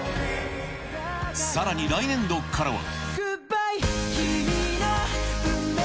さらに来年度からは。